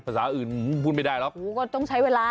ภาษาอื่นพูดไม่ได้หรอกก็ต้องใช้เวลา